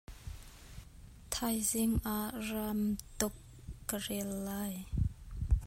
Thaizing ah ramtuk kan rel lai.